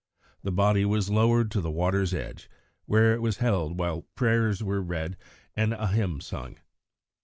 The body was lowered to the water's edge, where it was held while prayers were read and a hymn sung.